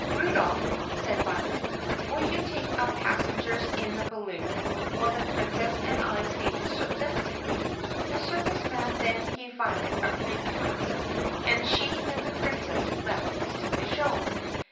"Rudolph," said Violet, "you will take up passengers in the balloon while the Princess and I see the circus." The circus man then gave Violet a free pass and she and the Princess left to see the show.